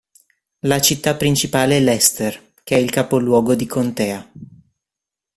La città principale è Leicester che è il capoluogo di contea.